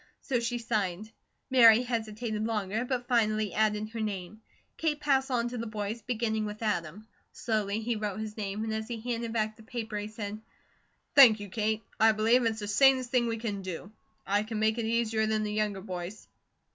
So she signed. Mary hesitated longer, but finally added her name. Kate passed on to the boys, beginning with Adam. Slowly he wrote his name, and as he handed back the paper he said: "Thank you, Kate, I believe it's the sanest thing we can do. I can make it easier than the younger boys."